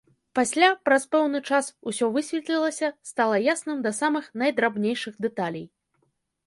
Пасля, праз пэўны час, усё высветлілася, стала ясным да самых найдрабнейшых дэталей.